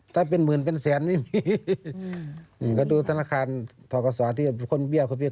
ถ้าเป็นหมื่นเป็นแสนไม่มี